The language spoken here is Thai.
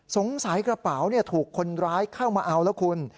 กระเป๋าถูกคนร้ายเข้ามาเอาแล้วคุณ